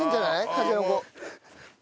たけのこ。